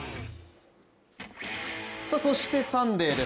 そしてサンデーです。